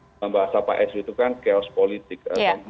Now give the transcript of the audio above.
dalam bahasa pak sby itu kan chaos politik